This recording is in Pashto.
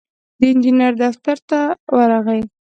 د انجينر دفتر ته ورغی.